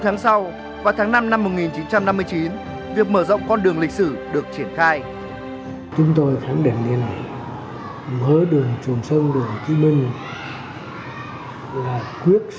bốn tháng sau qua tháng năm năm một nghìn chín trăm năm mươi chín việc mở rộng con đường lịch sử thống nhất tổ quốc